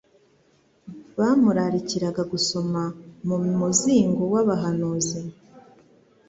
bamurarikiraga gusoma mu muzingo w'abahanuzi,